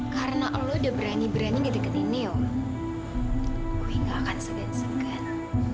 karena lo udah berani berani ngedeket neo gue ga akan segan segan